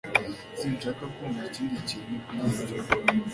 sinshaka kumva ikindi kintu kuri ibyo